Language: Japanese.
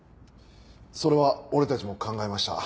それは俺たちも考えました。